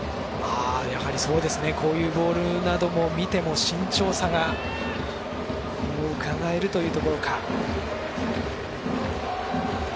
こういうボールなどを見ても慎重さがうかがえるというところか。